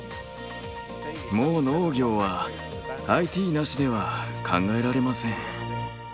もう農業はＩＴなしでは考えられません。